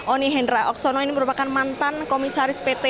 oni hendra aksono ini merupakan mantan komisaris ppr ri